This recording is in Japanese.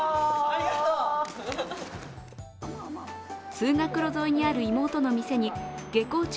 通学路沿いにある妹の店に下校中